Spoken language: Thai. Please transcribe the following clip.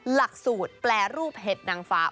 หลักสูตรแปรรูปเห็ดนางฟ้า